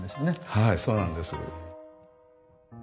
はいそうなんです。